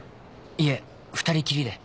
いえ２人きりで